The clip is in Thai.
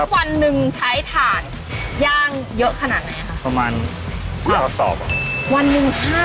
มันต้องยังไงอ่ะข้างในมันเป็นยังไง